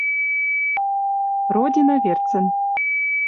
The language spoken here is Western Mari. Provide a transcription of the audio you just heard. Родина верцӹн